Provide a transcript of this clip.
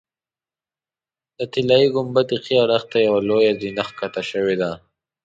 د طلایي ګنبدې ښي اړخ ته یوه لویه زینه ښکته شوې ده.